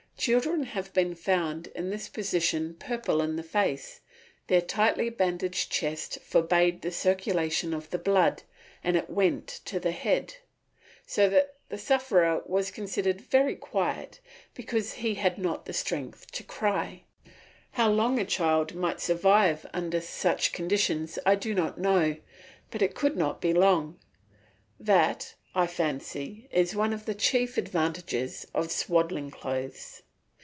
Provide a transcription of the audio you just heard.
Children have been found in this position purple in the face, their tightly bandaged chest forbade the circulation of the blood, and it went to the head; so the sufferer was considered very quiet because he had not strength to cry. How long a child might survive under such conditions I do not know, but it could not be long. That, I fancy, is one of the chief advantages of swaddling clothes.